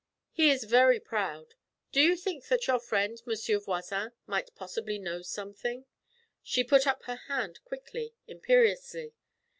He is very proud. Do you think that your friend, Monsieur Voisin, might possibly know something ' She put up her hand quickly, imperiously.